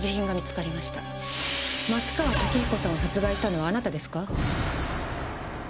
松川竹彦さんを殺害したのはあなたですか？